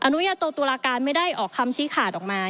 นุญาโตตุลาการไม่ได้ออกคำชี้ขาดออกมา